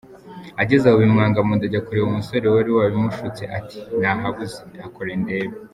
Ageze aho bimwanga munda ajya kureba umusore wari wabimushutse, ati ko nahabuze, hakore ndebe !